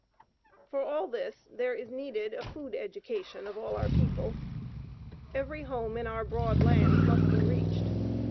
For all this there is needed a "food education" of all our people. Every home in our broad land must be reached.